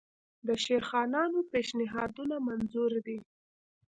د شیخانانو پېشنهادونه منظور دي.